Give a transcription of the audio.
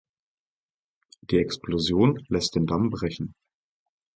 Die Explosion lässt den Damm brechen.